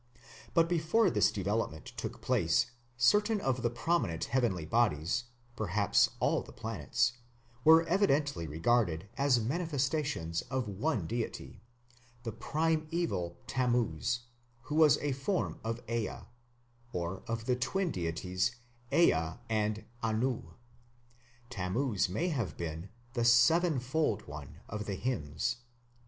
But before this development took place certain of the prominent heavenly bodies, perhaps all the planets, were evidently regarded as manifestations of one deity, the primeval Tammuz, who was a form of Ea, or of the twin deities Ea and Anu. Tammuz may have been the "sevenfold one" of the hymns.